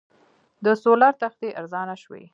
د سولر تختې ارزانه شوي؟